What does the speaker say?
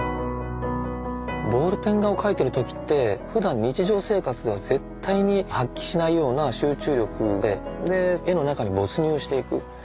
ボールペン画を描いてるときって普段日常生活では絶対に発揮しないような集中力で絵の中に没入していく。